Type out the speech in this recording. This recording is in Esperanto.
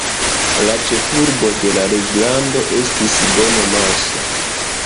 La ĉefurbo de la reĝlando estis Bono-Manso.